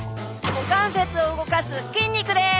股関節を動かす筋肉です！